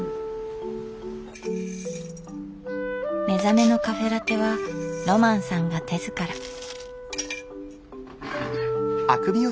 目覚めのカフェラテはロマンさんが手ずから。